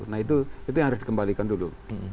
nah itu yang harus dikembalikan dulu